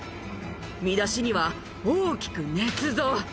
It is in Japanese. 見出しには、大きくねつ造。